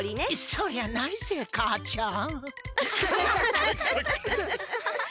そりゃないぜかあちゃん！